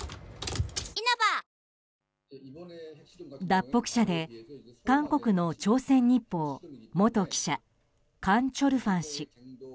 脱北者で韓国の朝鮮日報元記者カン・チョルファン氏。